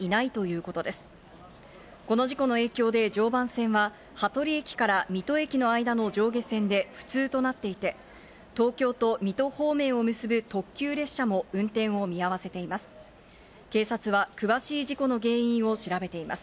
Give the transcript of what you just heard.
この事故の影響で常磐線は羽鳥駅から水戸駅の間の上下線で不通となっていて、東京と水戸方面を結ぶ特急列車も運転を見合わせています。